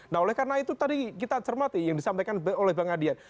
nah oleh karena itu tadi kita cermati yang disampaikan oleh bang adian